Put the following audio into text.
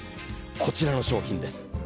こちらの商品です。